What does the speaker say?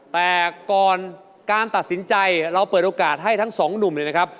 แต่ก่อนการตัดสินใจเราเปิดโอกาสให้ทั้งสองหนุ่มเลยนะครับ